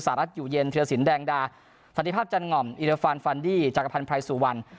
สารรัฐอยู่เย็นเทียดสินแดงดาศัตริภาพจันหง่อมอิลฟานฟันดี้จากภัณฑ์ไพรสุวรรณ